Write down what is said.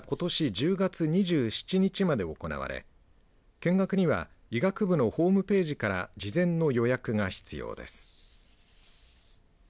１０月２７日まで行われ見学には医学部のホームページから事前の予約が必要です。